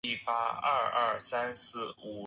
现在城堡由威尔斯遗产机构管理。